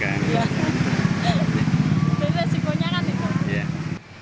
jadi resikonya kan itu